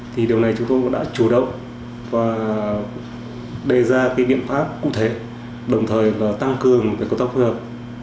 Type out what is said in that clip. thì điều này chúng tôi cũng đã chủ động và đề ra cái biện pháp cụ thể đồng thời là tăng cường về cấu tóc phù hợp